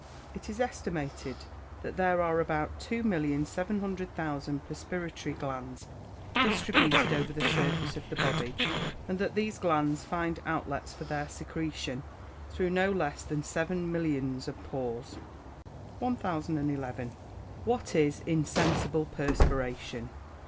It is estimated that there are about 2,700,000 perspiratory glands distributed over the surface of the body, and that these glands find outlets for their secretion through no less than seven millions of pores. 1011. _What is insensible perspiration?